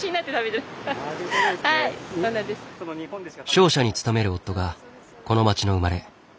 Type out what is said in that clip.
商社に勤める夫がこの町の生まれ。